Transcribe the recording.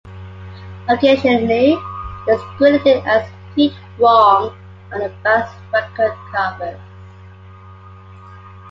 Occasionally he is credited as Pete Wrong on the band's record covers.